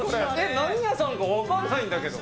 何屋さんか分かんないんだけど。